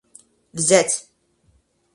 взять